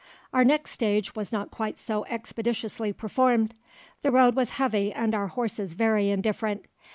"Our next stage was not quite so expeditiously performed; the road was heavy and our horses very indifferent.